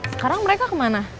sekarang mereka kemana